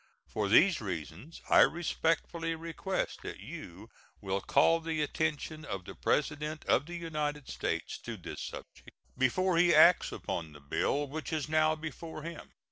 For these reasons I respectfully request that you will call the attention of the President of the United States to this subject before he acts upon the bill which is now before him.